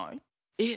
えっ⁉